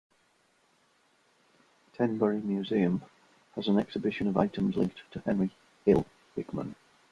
Tenbury Museum has an exhibition of items linked to Henry Hill Hickman.